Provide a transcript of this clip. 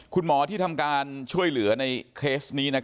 คุณหมอที่ทำการช่วยเหลือในเคสนี้